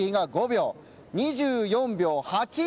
２４秒８２！